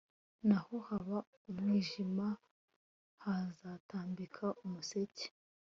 Naho haba umwijima hazatambika umuseke